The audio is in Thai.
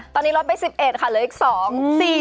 ๑๑ค่ะหรืออีก๒